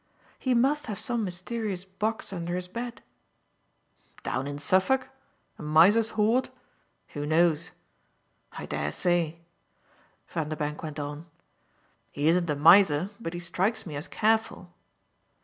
"He must have some mysterious box under his bed." "Down in Suffolk? a miser's hoard? Who knows? I dare say," Vanderbank went on. "He isn't a miser, but he strikes me as careful."